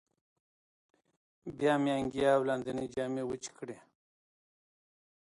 بیا مې انګیا او لاندینۍ جامې وچې کړې.